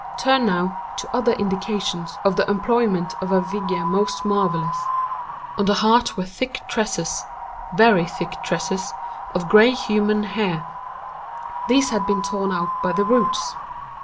_ "Turn, now, to other indications of the employment of a vigor most marvellous. On the hearth were thick tresses—very thick tresses—of grey human hair. These had been torn out by the roots.